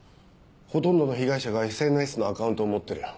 ほとんどの被害者がＳＮＳのアカウントを持ってるよ。